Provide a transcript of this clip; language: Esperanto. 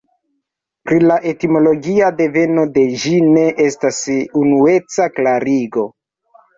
Pri la etimologia deveno de ĝi ne estas unueca klarigo.